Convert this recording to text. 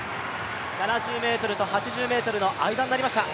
７０ｍと８０ｍの間になりました。